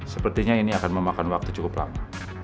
sepertinya ini akan memakan waktu cukup lama